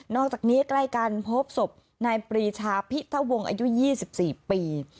อกจากนี้ใกล้กันพบศพนายปรีชาพิทะวงอายุ๒๔ปี